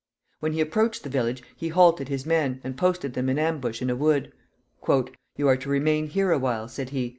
When he approached the village he halted his men, and posted them in ambush in a wood. "You are to remain here a while," said he.